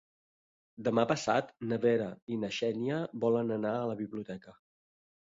Demà passat na Vera i na Xènia volen anar a la biblioteca.